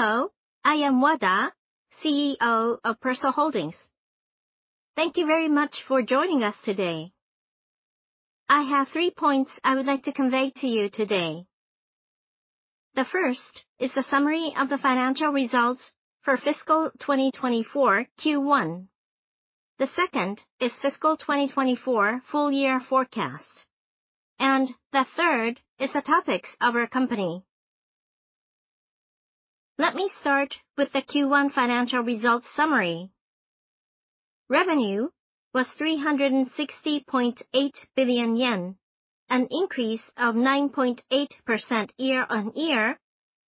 Hello, I am Wada, CEO of Persol Holdings. Thank you very much for joining us today. I have 3 points I would like to convey to you today. The first is the summary of the financial results for fiscal 2024 Q1. The second is fiscal 2024 full year forecast. And the third is the topics of our company. Let me start with the Q1 financial results summary. Revenue was 360.8 billion yen, an increase of 9.8% year-on-year,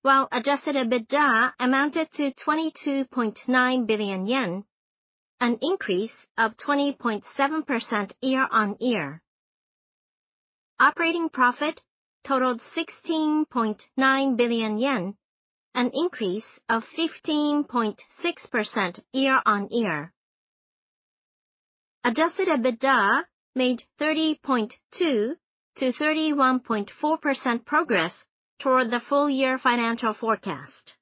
while adjusted EBITDA amounted to 22.9 billion yen, an increase of 20.7% year-on-year. Operating profit totaled 16.9 billion yen, an increase of 15.6% year-on-year. Adjusted EBITDA made 30.2%-31.4% progress toward the full year financial forecast.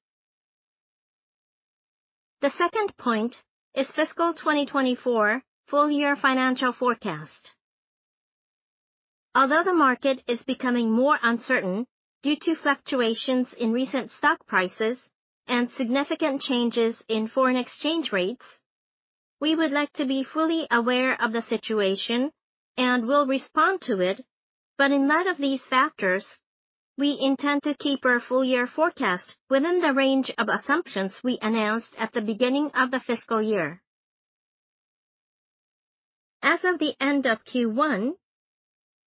The second point is fiscal 2024 full year financial forecast. Although the market is becoming more uncertain due to fluctuations in recent stock prices and significant changes in foreign exchange rates, we would like to be fully aware of the situation and will respond to it. In light of these factors, we intend to keep our full year forecast within the range of assumptions we announced at the beginning of the fiscal year. As of the end of Q1,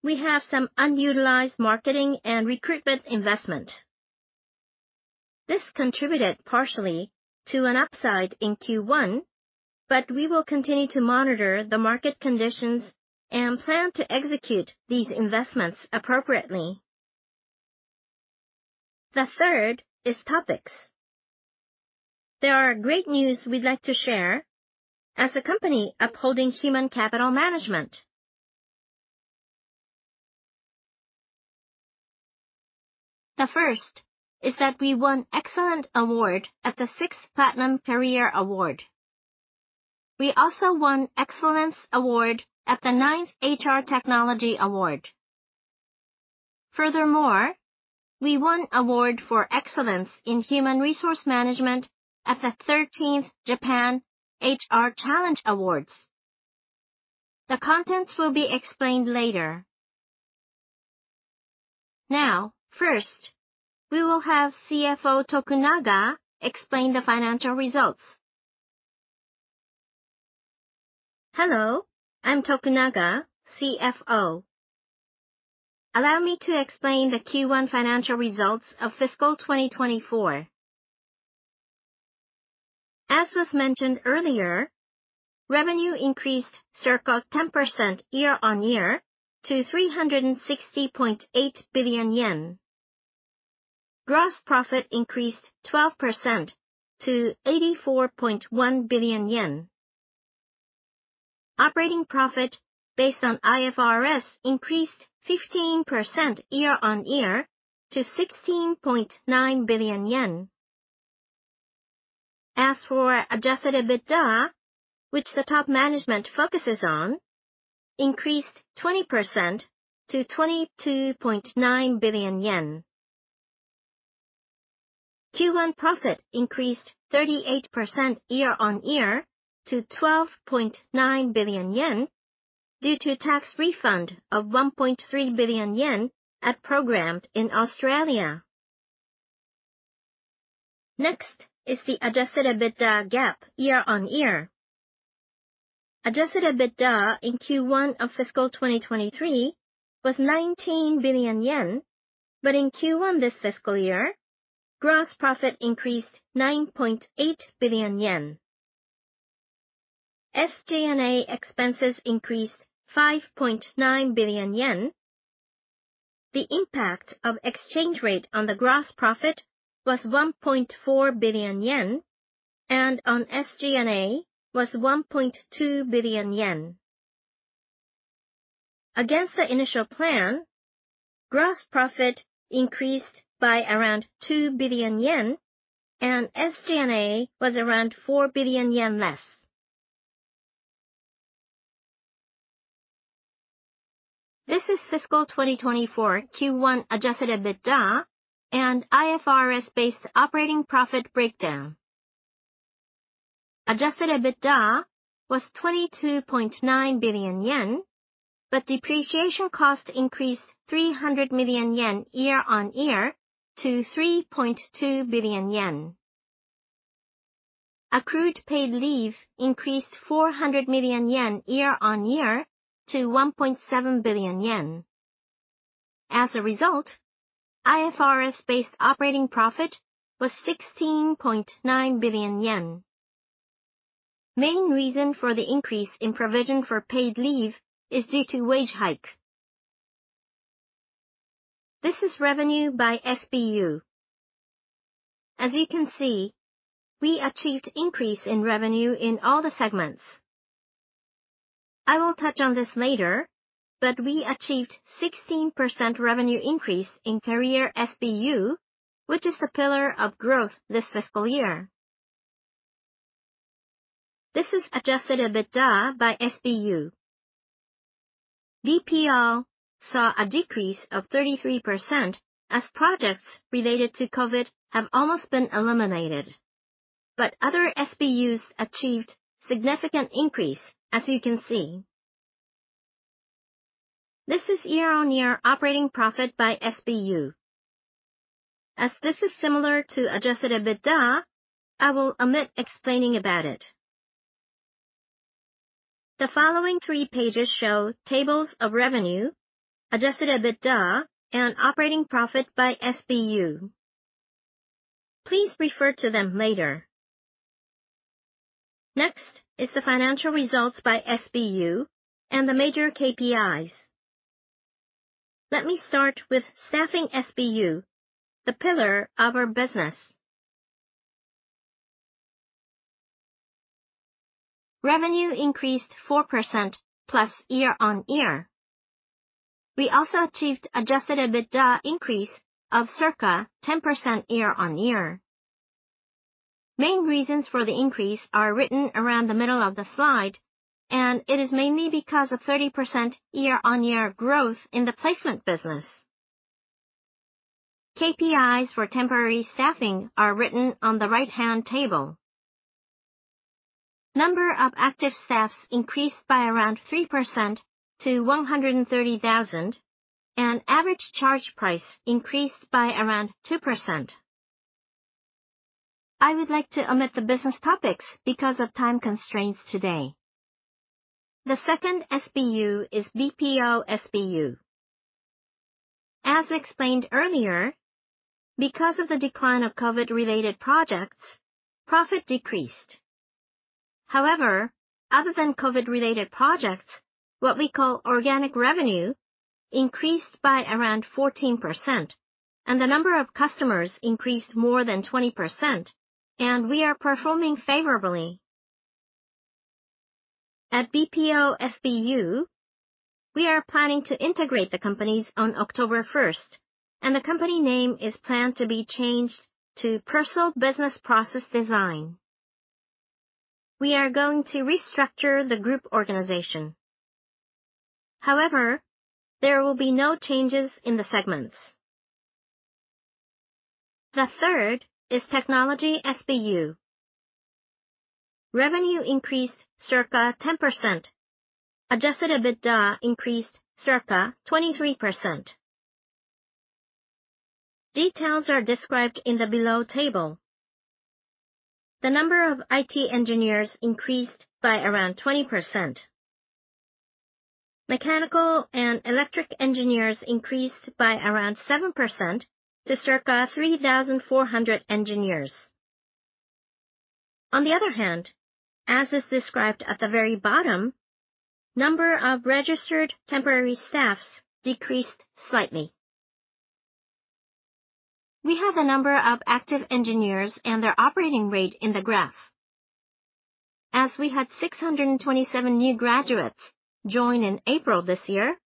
we have some unutilized marketing and recruitment investment. This contributed partially to an upside in Q1, but we will continue to monitor the market conditions and plan to execute these investments appropriately. The third is topics. There are great news we'd like to share as a company upholding human capital management. The first is that we won Excellent Award at the sixth Platinum Career Award. We also won Excellence Award at the ninth HR Technology Award. Furthermore, we won Award for Excellence in Human Resource Management at the thirteenth Japan HR Challenge Awards. The contents will be explained later. Now, first, we will have CFO Tokunaga explain the financial results. Hello, I'm Tokunaga, CFO. Allow me to explain the Q1 financial results of fiscal 2024. As was mentioned earlier, revenue increased circa 10% year-on-year to 360.8 billion yen. Gross profit increased 12% to 84.1 billion yen. Operating profit based on IFRS increased 15% year-on-year to 16.9 billion yen. As for adjusted EBITDA, which the top management focuses on, increased 20% to 22.9 billion yen. Q1 profit increased 38% year-on-year to 12.9 billion yen due to tax refund of 1.3 billion yen at Programmed in Australia. Next is the adjusted EBITDA gap year-on-year. Adjusted EBITDA in Q1 of fiscal 2023 was 19 billion yen, but in Q1 this fiscal year, gross profit increased 9.8 billion yen. SG&A expenses increased 5.9 billion yen. The impact of exchange rate on the gross profit was 1.4 billion yen, and on SG&A was 1.2 billion yen. Against the initial plan, gross profit increased by around 2 billion yen and SG&A was around 4 billion yen less. This is fiscal 2024 Q1 adjusted EBITDA and IFRS-based operating profit breakdown. Adjusted EBITDA was 22.9 billion yen, but depreciation cost increased 300 million yen year-on-year to 3.2 billion yen. Accrued paid leave increased 400 million yen year-on-year to 1.7 billion yen. As a result, IFRS-based operating profit was 16.9 billion yen. Main reason for the increase in provision for paid leave is due to wage hike. This is revenue by SBU. As you can see, we achieved increase in revenue in all the segments.... I will touch on this later, but we achieved 16% revenue increase in career SBU, which is the pillar of growth this fiscal year. This is Adjusted EBITDA by SBU. BPO saw a decrease of 33%, as projects related to COVID have almost been eliminated, but other SBUs achieved significant increase, as you can see. This is year-on-year operating profit by SBU. As this is similar to Adjusted EBITDA, I will omit explaining about it. The following three pages show tables of revenue, Adjusted EBITDA, and operating profit by SBU. Please refer to them later. Next is the financial results by SBU and the major KPIs. Let me start with Staffing SBU, the pillar of our business. Revenue increased 4% year-over-year. We also achieved Adjusted EBITDA increase of circa 10% year-over-year. Main reasons for the increase are written around the middle of the slide, and it is mainly because of 30% year-over-year growth in the placement business. KPIs for temporary staffing are written on the right-hand table. Number of active staffs increased by around 3% to 130,000, and average charge price increased by around 2%. I would like to omit the business topics because of time constraints today. The second SBU is BPO SBU. As explained earlier, because of the decline of COVID-related projects, profit decreased. However, other than COVID-related projects, what we call organic revenue increased by around 14%, and the number of customers increased more than 20%, and we are performing favorably. At BPO SBU, we are planning to integrate the companies on October first, and the company name is planned to be changed to Persol Business Process Design. We are going to restructure the group organization. However, there will be no changes in the segments. The third is technology SBU. Revenue increased circa 10%. Adjusted EBITDA increased circa 23%. Details are described in the below table. The number of IT engineers increased by around 20%. Mechanical and electrical engineers increased by around 7% to circa 3,400 engineers. On the other hand, as is described at the very bottom, number of registered temporary staff decreased slightly. We have a number of active engineers and their operating rate in the graph. As we had 627 new graduates join in April this year,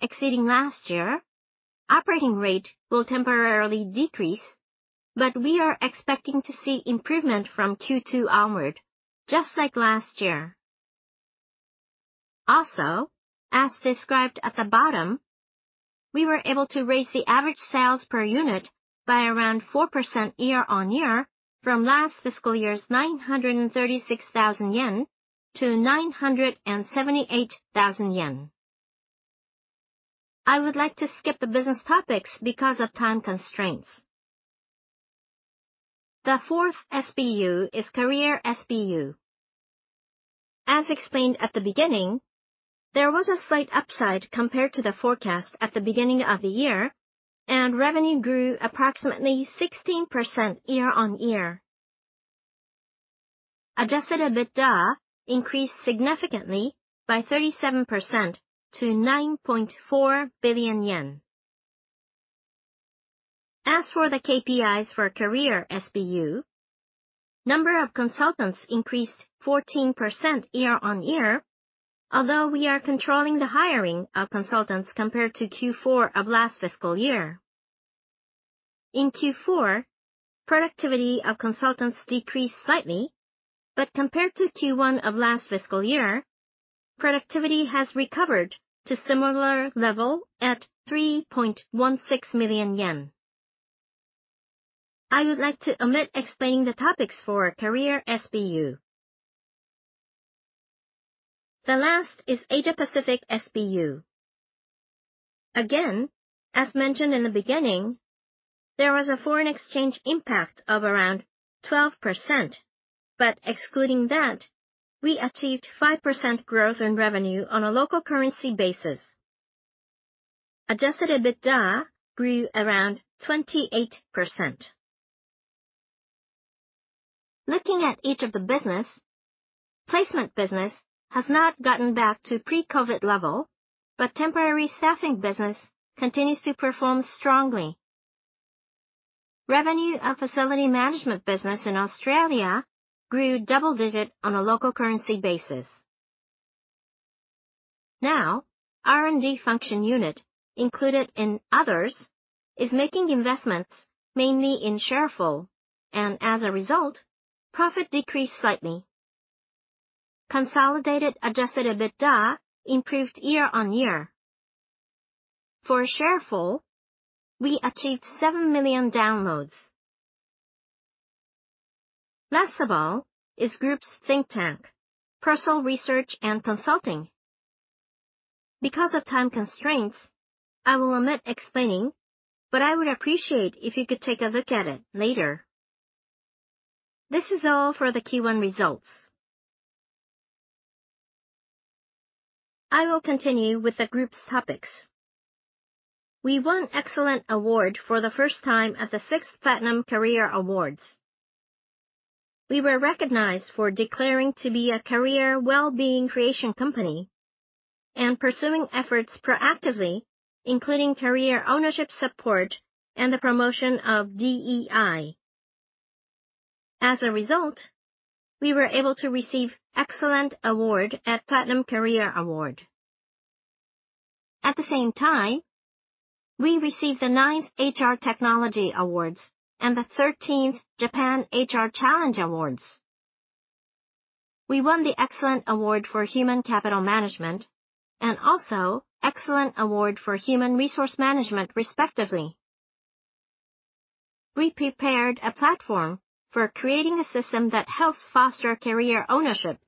exceeding last year, operating rate will temporarily decrease, but we are expecting to see improvement from Q2 onward, just like last year. Also, as described at the bottom, we were able to raise the average sales per unit by around 4% year-on-year from last fiscal year's 936,000 yen to 978,000 yen. I would like to skip the business topics because of time constraints. The fourth SBU is Career SBU. As explained at the beginning, there was a slight upside compared to the forecast at the beginning of the year, and revenue grew approximately 16% year-on-year. Adjusted EBITDA increased significantly by 37% to 9.4 billion yen. As for the KPIs for Career SBU, number of consultants increased 14% year-over-year, although we are controlling the hiring of consultants compared to Q4 of last fiscal year. In Q4, productivity of consultants decreased slightly, but compared to Q1 of last fiscal year, productivity has recovered to similar level at 3.16 million yen. I would like to omit explaining the topics for Career SBU. The last is Asia Pacific SBU. Again, as mentioned in the beginning, there was a foreign exchange impact of around 12%, but excluding that, we achieved 5% growth in revenue on a local currency basis. Adjusted EBITDA grew around 28%. Looking at each of the business, placement business has not gotten back to pre-COVID level, but temporary staffing business continues to perform strongly. Revenue of facility management business in Australia grew double-digit on a local currency basis. Now, R&D function unit, included in others, is making investments mainly in Shareful, and as a result, profit decreased slightly. Consolidated adjusted EBITDA improved year-on-year. For Shareful, we achieved 7 million downloads. Last of all is group's think tank, Persol Research and Consulting. Because of time constraints, I will omit explaining, but I would appreciate if you could take a look at it later. This is all for the Q1 results. I will continue with the group's topics. We won Excellent Award for the first time at the sixth Platinum Career Awards. We were recognized for declaring to be a career well-being creation company and pursuing efforts proactively, including career ownership support and the promotion of DEI. As a result, we were able to receive Excellent Award at Platinum Career Award. At the same time, we received the ninth HR Technology Awards and the thirteenth Japan HR Challenge Awards. We won the Excellent Award for Human Capital Management and also Excellent Award for Human Resource Management, respectively. We prepared a platform for creating a system that helps foster career ownership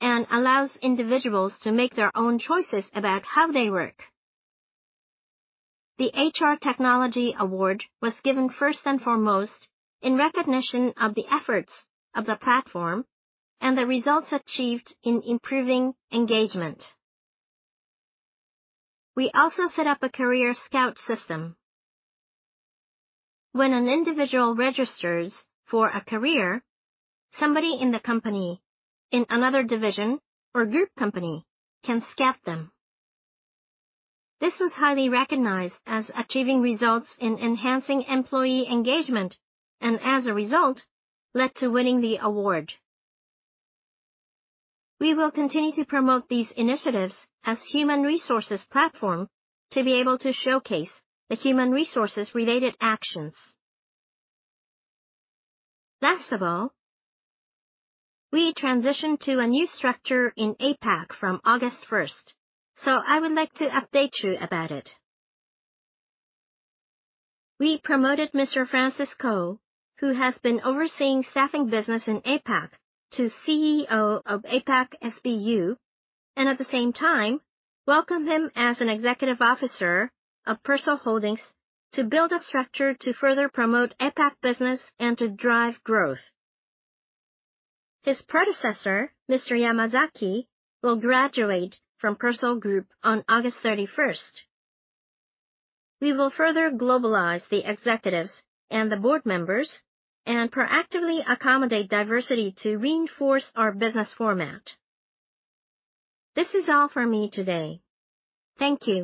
and allows individuals to make their own choices about how they work. The HR Technology Award was given first and foremost in recognition of the efforts of the platform and the results achieved in improving engagement. We also set up a career scout system. When an individual registers for a career, somebody in the company, in another division or group company can scout them. This was highly recognized as achieving results in enhancing employee engagement, and as a result, led to winning the award. We will continue to promote these initiatives as human resources platform to be able to showcase the human resources-related actions. Last of all, we transitioned to a new structure in APAC from August 1, so I would like to update you about it. We promoted Mr. Francis Koh, who has been overseeing staffing business in APAC, to CEO of APAC SBU, and at the same time, welcomed him as an executive officer of Persol Holdings to build a structure to further promote APAC business and to drive growth. His predecessor, Mr. Yamazaki, will graduate from Persol Group on August 31. We will further globalize the executives and the board members and proactively accommodate diversity to reinforce our business format. This is all for me today. Thank you.